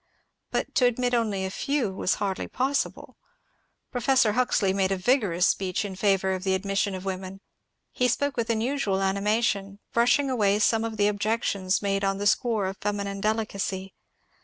But to admit only a few was hardly possible. Professor Huxley made a vigorous speech in favour of the admission of women ; he spoke with unusual animation, brushing away some of the objections made on the score of feminine delicacy.